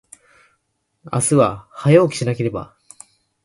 明日は、早起きしなければ。